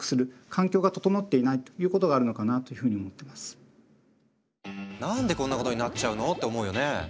あるいは何でこんなことになっちゃうのって思うよね？